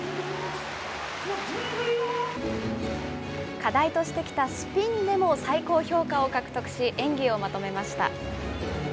課題としてきたスピンでも最高評価を獲得し、演技をまとめました。